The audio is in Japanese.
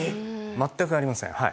全くありませんはい。